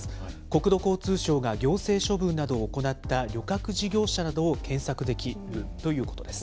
国土交通省が行政処分などを行った旅客事業者などを検索できるということです。